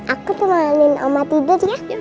aku temanin oma tidur ya